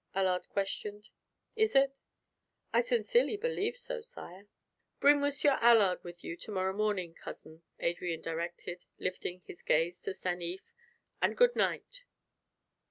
Allard questioned. "Is it?" "I sincerely believe so, sire." "Bring Monsieur Allard with you to morrow, cousin," Adrian directed, lifting his gaze to Stanief. "And good night."